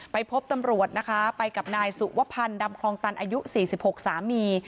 ไปพบตำรวจนะคะไปกับนายสุวพันธ์ดำคลองตันอายุ๔๖สามี